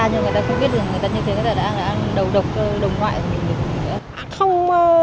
nhưng người ta không biết rằng người ta như thế đã ăn đầu độc đồng ngoại